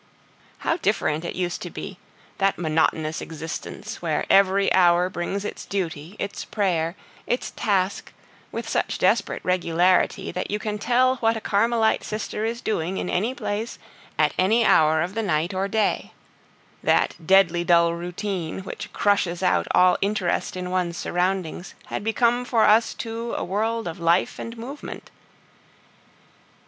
How different it used to be! That monotonous existence, where every hour brings its duty, its prayer, its task, with such desperate regularity that you can tell what a Carmelite sister is doing in any place, at any hour of the night or day; that deadly dull routine, which crushes out all interest in one's surroundings, had become for us two a world of life and movement.